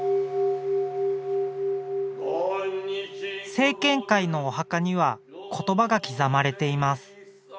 生健会のお墓には言葉が刻まれています。